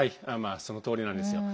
そのとおりなんですよ。